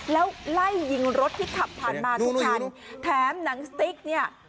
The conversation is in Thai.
แล้วไล่ยิงรถที่ขับผ่านมาทุกคันแถมหนังสติ๊กเนี่ย